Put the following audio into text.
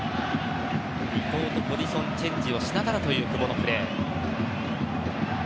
伊東とポジションチェンジをしながらという久保のプレー。